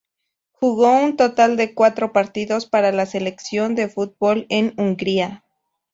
Jugó un total de cuatro partidos para la selección de fútbol de Hungría.